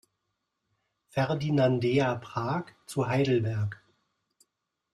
Ferdinandea-Prag zu Heidelberg.